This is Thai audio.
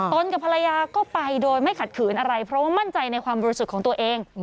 กับภรรยาก็ไปโดยไม่ขัดขืนอะไรเพราะว่ามั่นใจในความบริสุทธิ์ของตัวเอง